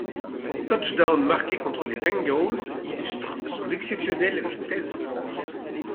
Son touchdown marqué contre les Bengals illustre son exceptionnelle vitesse de course.